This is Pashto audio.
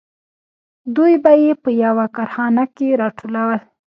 دوی به یې په یوه کارخانه کې راټولول